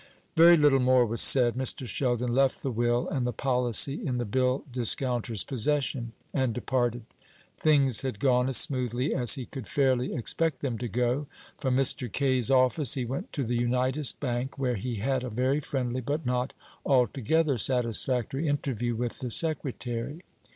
Very little more was said. Mr. Sheldon left the will and the policy in the bill discounter's possession, and departed. Things had gone as smoothly as he could fairly expect them to go. From Mr. Kaye's office he went to the Unitas Bank, where he had a very friendly, but not altogether satisfactory, interview with the secretary.